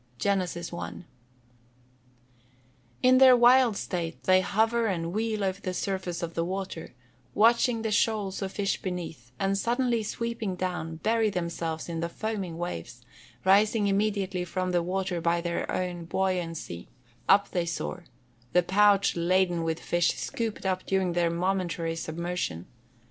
GENESIS I.] In their wild state they hover and wheel over the surface of the water, watching the shoals of fish beneath, and suddenly sweeping down, bury themselves in the foaming waves; rising immediately from the water by their own buoyancy, up they soar, the pouch laden with the fish scooped up during their momentary submersion.